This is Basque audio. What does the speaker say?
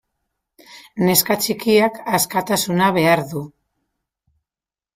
Neska txikiak askatasuna behar du.